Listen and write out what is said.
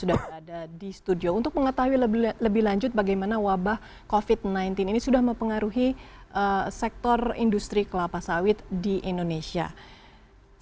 dan juga pemerintah yang memiliki keuntungan yang sangat penting untuk memperkenalkan minyak sawit di dunia ini